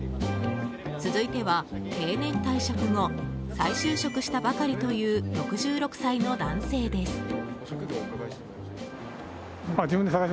続いては、定年退職後再就職したばかりという６６歳の男性です。